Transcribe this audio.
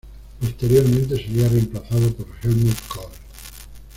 Posteriormente sería reemplazado por Helmut Kohl.